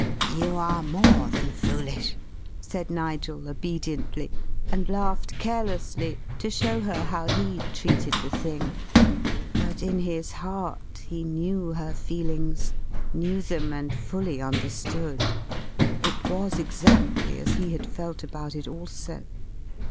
"You are more than foolish," said Nigel obediently, and laughed carelessly to show her how he treated the thing. But in his heart he knew her feelings, knew them and fully understood. It was exactly as he had felt about it also.